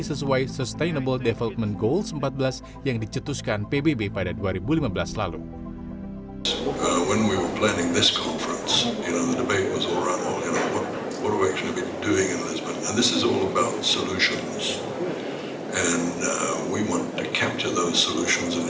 sesuai sustainable development goals empat belas yang dicetuskan pbb pada dua ribu lima belas lalu